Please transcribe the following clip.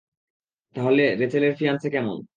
তাহলে, রেচেলের ফিয়ান্সে কেমন?